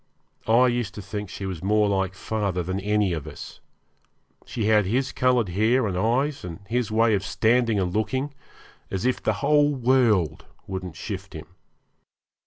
I used to think she was more like father than any of us. She had his coloured hair and eyes, and his way of standing and looking, as if the whole world wouldn't shift him.